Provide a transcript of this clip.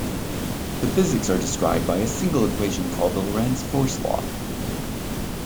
The physics are described by a single equation called the Lorentz force law.